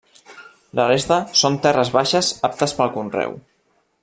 La resta són terres baixes aptes pel conreu.